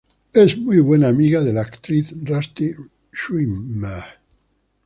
Es muy buena amiga de la actriz Rusty Schwimmer.